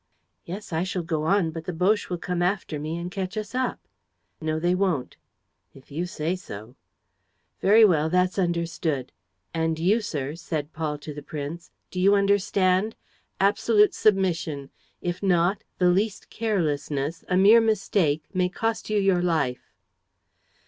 "Yes, I shall go on, but the Boches will come after me and catch us up." "No, they won't." "If you say so. ..." "Very well, that's understood. And you, sir," said Paul to the prince, "do you understand? Absolute submission; if not, the least carelessness, a mere mistake may cost you your life."